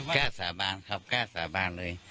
กล้าสาบานครับกล้าสาบานเลย